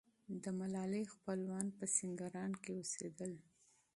د ملالۍ خپلوان په سینګران کې اوسېدل.